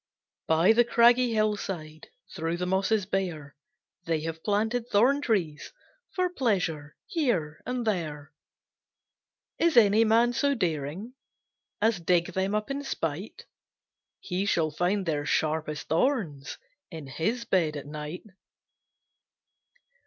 By the craggy hill side, Through the mosses bare, They have planted thorn trees For pleasure here and there. Is any man so daring As dig them up in spite, He shall find their sharpest thorns In his bed at night.